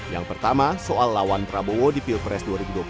yang pertama soal lawan prabowo di pilpres dua ribu dua puluh empat